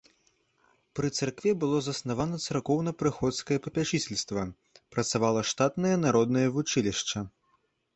Пры царкве было заснавана царкоўна-прыходскае папячыцельства, працавала штатнае народнае вучылішча.